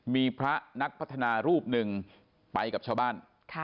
มีพระนักพัฒนารูปหนึ่งไปกับชาวบ้าน